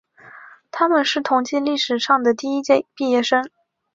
他们是同济历史上的第一届毕业生。